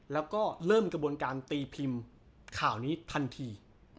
แล้วก็เริ่มกระบวนการตีพิมพ์ข่าวนี้ทันที